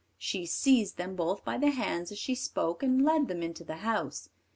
She seized them both by the hands as she spoke, and led them into the house.